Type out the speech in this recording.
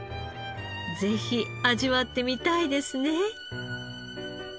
ぜひ味わってみたいですね。